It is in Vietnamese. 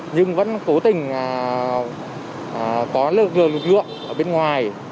nhưng vẫn cố tình có lực lượng ở bên ngoài